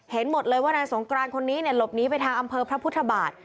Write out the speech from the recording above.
เห็นหมดเลยว่านายสงกรานคนนี้หลบหนีไปทางอำเภอพระพุทธบาท